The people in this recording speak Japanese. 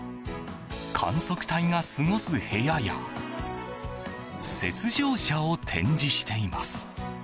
観測隊が過ごす部屋や雪上車を展示しています。